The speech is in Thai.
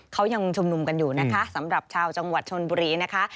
เขายังชุมนุมกันอยู่นะคะสำหรับชาวจังหวัดชนบุรีนะคะ